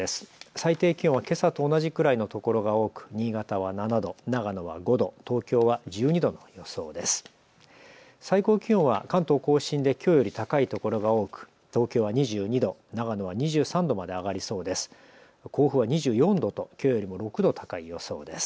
最低気温はけさと同じくらいのところが多く新潟は７度、長野は５度、東京は１２度の予想です。